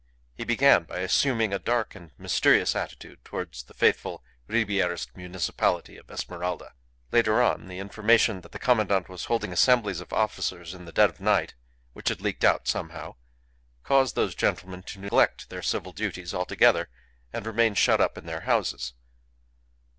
He began by assuming a dark and mysterious attitude towards the faithful Ribierist municipality of Esmeralda. Later on, the information that the commandant was holding assemblies of officers in the dead of night (which had leaked out somehow) caused those gentlemen to neglect their civil duties altogether, and remain shut up in their houses.